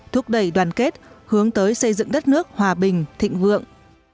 thúc đẩy đoàn kết hướng tới xây dựng đất nước hòa bình thịnh vượng